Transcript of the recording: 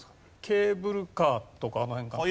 ケーブルカーとかあの辺から。